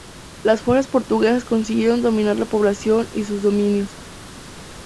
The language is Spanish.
Las fuerzas portuguesas consiguieron dominar la población y sus dominios.